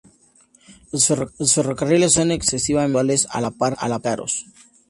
Los ferrocarriles son exquisitamente puntuales a la par que caros.